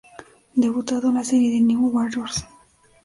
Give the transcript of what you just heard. Debutado en la serie de "New Warriors".